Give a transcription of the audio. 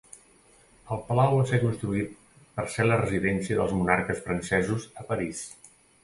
El palau va ser construït per ser la residència dels monarques francesos a París.